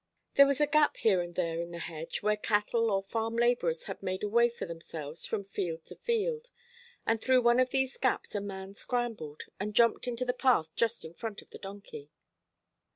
There was a gap here and there in the hedge, where cattle or farm labourers had made a way for themselves from field to field, and through one of these gaps a man scrambled, and jumped into the path just in front of the donkey.